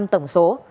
một mươi hai tổng số